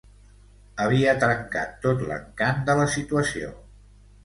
Havia trencat tot l'encant de la situació.